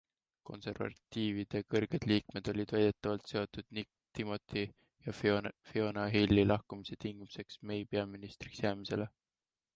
Konservatiivide kõrged liikmed olid väidetavalt seadnud Nick Timothy ja Fiona Hilli lahkumise tingimuseks May peaministriks jäämisele.